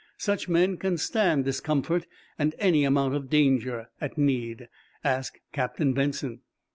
Such men can stand discomfort and any amount of danger, at need. Ask Captain Benson."